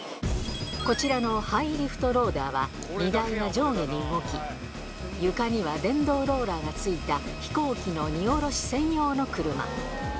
こちらのハイリフトローラーは荷台が上下に動き、床には電動ローラーがついた、飛行機の荷降ろし専用の車。